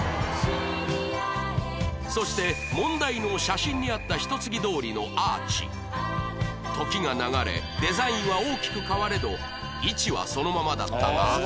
そして問題の写真にあった一ツ木通りの時が流れデザインは大きく変われど位置はそのままだったが